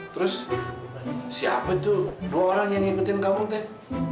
terus siapa tuh dua orang yang ngikutin kampung teh